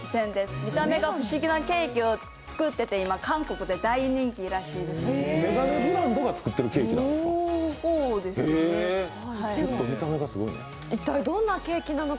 見た目が不思議なケーキを作っていて、めがねブランドが作っているケーキなんですか。